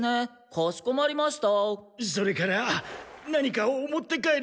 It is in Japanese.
かしこまりました。